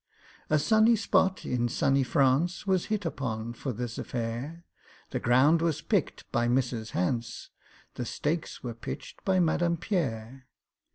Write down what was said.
A sunny spot in sunny France Was hit upon for this affair; The ground was picked by MRS. HANCE, The stakes were pitched by MADAME PIERRE.